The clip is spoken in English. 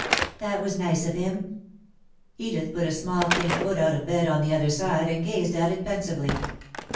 "That was nice of him." Edith put a small pink foot out of bed on the other side and gazed at it pensively.